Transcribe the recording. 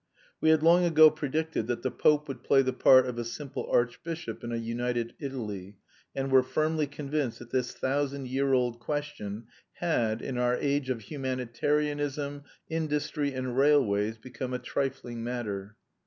We had long ago predicted that the Pope would play the part of a simple archbishop in a united Italy, and were firmly convinced that this thousand year old question had, in our age of humanitarianism, industry, and railways, become a trifling matter.